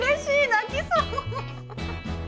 なきそう！